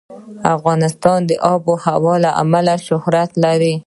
افغانستان د آب وهوا له امله شهرت لري.